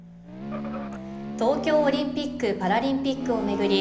東京オリンピック・パラリンピックを巡り